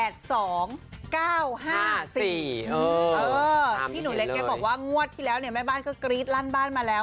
พี่หนูเล็กแกบอกว่างวดที่แล้วเนี่ยแม่บ้านก็กรี๊ดลั่นบ้านมาแล้ว